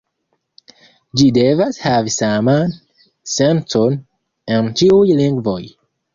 Ĝi devas havi saman sencon en ĉiuj lingvoj.